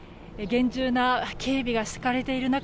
厳重な警備が敷かれている中